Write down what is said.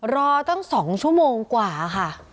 รอตั้ง๒ชั่วโมงกว่าค่ะ